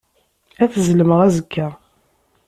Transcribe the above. Ad t-zemleɣ azekka.